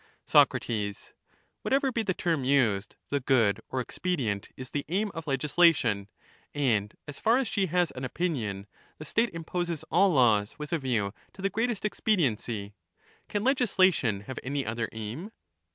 Soc, Whatever be the term used, the good or expedient is the aim of legislation, and as far as she has an opinion, the state imposes all laws with a view to the greatest expediency ; can legislation have any other aim